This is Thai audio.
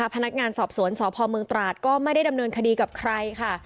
พนักงานสอบสวนสพเมืองตราดก็ไม่ได้ดำเนินคดีกับใครค่ะ